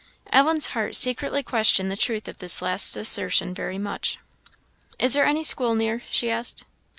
Ellen's heart secretly questioned the truth of this last assertion very much. "Is there any school near?" she asked.